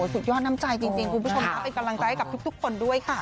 สุดยอดน้ำใจจริงคุณผู้ชมค่ะเป็นกำลังใจให้กับทุกคนด้วยค่ะ